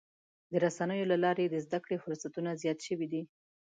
د رسنیو له لارې د زدهکړې فرصتونه زیات شوي دي.